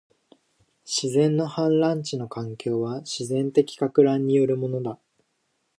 自然の氾濫地の環境は、自然的撹乱によるものだ